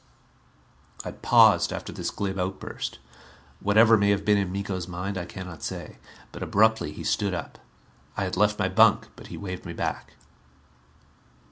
I paused after this glib outburst. Whatever may have been in Miko's mind, I cannot say. But abruptly he stood up. I had left my bunk but he waved me back.